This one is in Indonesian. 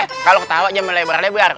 he kalau ketawa jangan lebar lebar